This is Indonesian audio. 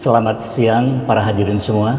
selamat siang para hadirin semua